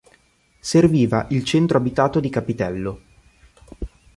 Serviva il centro abitato di Capitello.